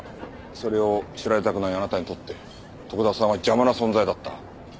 それを知られたくないあなたにとって徳田さんは邪魔な存在だった。